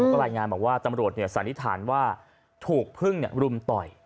ก็รายงานบอกว่าตำรวจสันนิษฐานว่าถูกพึ่งรุมต่อย